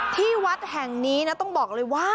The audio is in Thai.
ที่วัดแห่งนี้นะต้องบอกเลยว่า